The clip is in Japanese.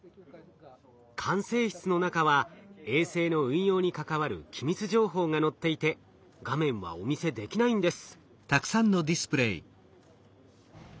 管制室の中は衛星の運用に関わる機密情報が載っていて画面はお見せできないんです。